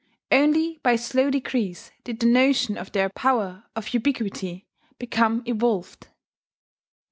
Only by slow degrees did the notion of their power of ubiquity become evolved.